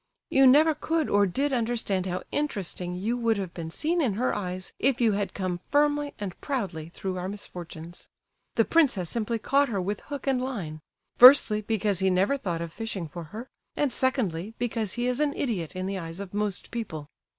You never could or did understand how interesting you would have seen in her eyes if you had come firmly and proudly through our misfortunes. The prince has simply caught her with hook and line; firstly, because he never thought of fishing for her, and secondly, because he is an idiot in the eyes of most people.